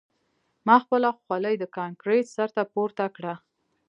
ما خپله خولۍ د کانکریټ سر ته پورته کړه